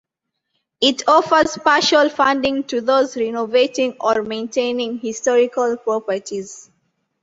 It offers partial funding to those renovating or maintaining historical properties.